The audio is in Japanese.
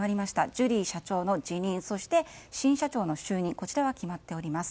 ジュリー社長の辞任そして新社長の就任こちらは決まっております。